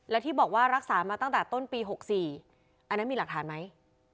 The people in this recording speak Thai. และที่บอกว่ารักษามาตั้งแต่ต้นปี๖๔อันนั้นมีหลักฐานไหม